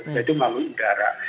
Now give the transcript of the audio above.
yaitu melalui udara